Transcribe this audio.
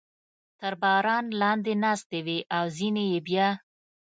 تر باران لاندې ناستې وې او ځینې یې بیا.